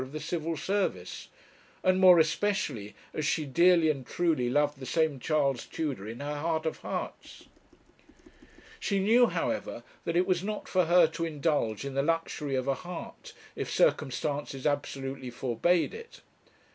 of the Civil Service, and more especially as she dearly and truly loved the same Charles Tudor in her heart of hearts. She knew, however, that it was not for her to indulge in the luxury of a heart, if circumstances absolutely forbade it.